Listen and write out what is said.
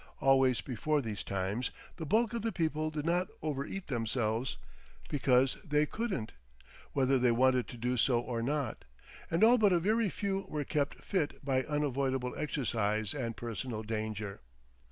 Always before these times the bulk of the people did not over eat themselves, because they couldn't, whether they wanted to do so or not, and all but a very few were kept "fit" by unavoidable exercise and personal danger.